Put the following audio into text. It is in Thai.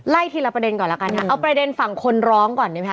ไล่ทีละประเด็นก่อนนะคะเอาประเด็นฝั่งคนร้องก่อนดิไหมคะ